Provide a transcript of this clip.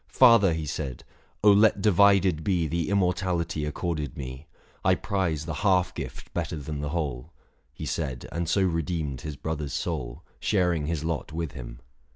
820 "Father," he said, " let divided be The immortality accorded me ; I prize the half gift better than the whole." He said : and so redeemed his brother's soul, Sharing his lot with him.